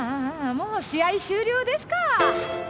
もう試合終了ですかぁ。